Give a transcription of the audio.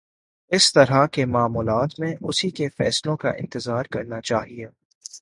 اِس طرح کے معاملات میں اُسی کے فیصلوں کا انتظار کرنا چاہیے